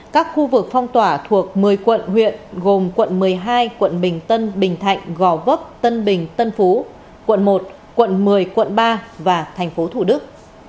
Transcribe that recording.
các khu vực phong tỏa thuộc một mươi quận huyện gồm quận một mươi hai quận bình tân bình thạnh gò vấp tân bình tân phú quận một quận một mươi quận ba và thành phố thủ đức